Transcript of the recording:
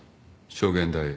証言台へ。